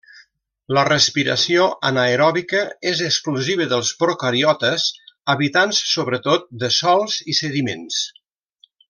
La respiració anaeròbica és exclusiva dels procariotes habitants sobretot de sòls i sediments.